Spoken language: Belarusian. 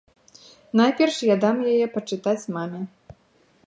Найперш я дам яе пачытаць маме.